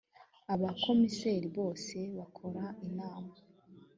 abakomiseri bose barakora inama